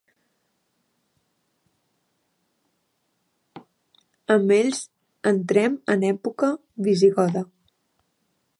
Amb ells entrem en època visigoda.